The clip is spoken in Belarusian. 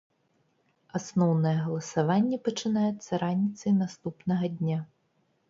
Асноўнае галасаванне пачынаецца раніцай наступнага дня.